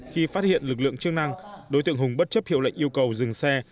khi phát hiện lực lượng chức năng đối tượng hùng bất chấp hiệu lệnh yêu cầu dừng xe